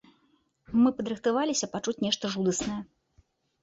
Мы падрыхтаваліся пачуць нешта жудаснае.